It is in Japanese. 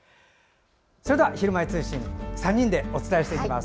それでは「ひるまえ通信」。３人でお伝えしていきます。